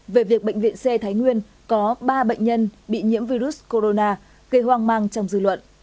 về việc bệnh viện c thái nguyên có ba bệnh nhân bị nhiễm virus corona gây hoang mang trong dư luận